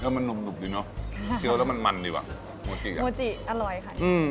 เชียวมันนุ่มนุ่มดีเนอะเชียวแล้วมันมันดีวะมูจิอร้อยค่ะอืม